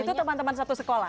itu teman teman satu sekolah